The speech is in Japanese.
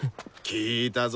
聞いたぞ。